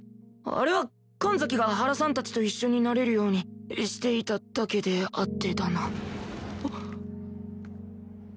あれは神崎が原さんたちと一緒になれるようにしていただけであってだなあっ。